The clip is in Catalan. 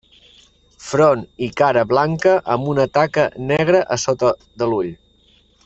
Front i cara blanca amb una taca negra a sota de l'ull.